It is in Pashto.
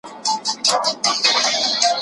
سوسیالستي هیوادونه باید تګلارې ولري.